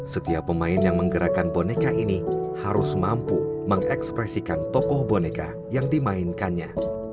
setiap pemain yang menggerakkan boneka ini harus mampu mengekspresikan tokoh boneka yang dimainkannya